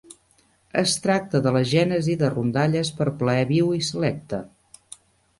És tracta de la gènesi de rondalles per plaer viu i selecte.